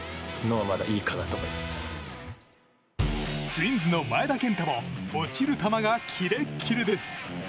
ツインズの前田健太も落ちる球がキレッキレです。